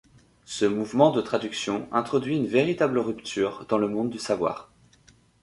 Ce mouvement de traduction introduit une véritable rupture dans le monde du savoir.